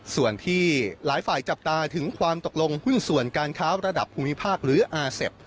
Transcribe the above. ส่วนที่หลายฝ่ายจับตาถึงความตกลงหุ้นส่วนการค้าระดับภูมิภาคหรืออาเซฟ